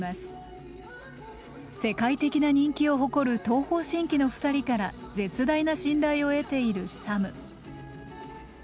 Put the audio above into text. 世界的な人気を誇る東方神起の２人から絶大な信頼を得ているＳＡＭ。